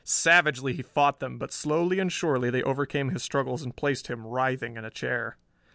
Savagely he fought them but slowly and surely they overcame his struggles and placed him, writhing, in a chair.